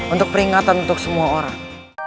untuk peringatan untuk semua orang